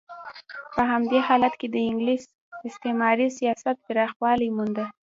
په همدې حالت کې د انګلیس استعماري سیاست پراخوالی مونده.